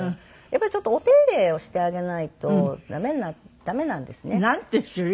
やっぱりちょっとお手入れをしてあげないと駄目なんですね。なんていう種類？